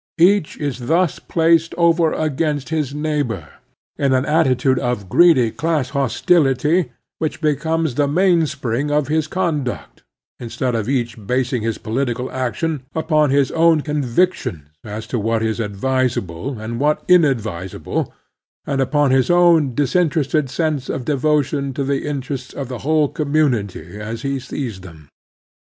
Each is thus placed over against his neighbor in an attitude of greedy class hos tility, which becomes the mainspring of his con duct, instead of each basing his political action upon his own convictions as to what is advisable, and what inadvisable, and upon his own disin terested sense of devotion to the interests of the whole commtmity as he sees them.